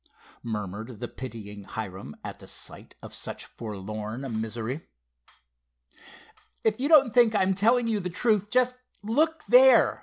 murmured the pitying Hiram at the sight of such forlorn misery. "If you don't think I'm telling you the truth, just look there!"